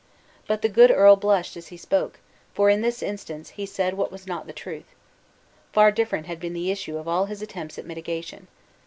But the good earl blushed as he spoke, for in this instance he said what was not the truth. Far different had been the issue of all his attempts at mitigation.